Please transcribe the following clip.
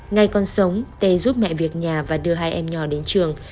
ngay con sống tê giúp mẹ việc nhà và đưa hai em nhỏ đến trường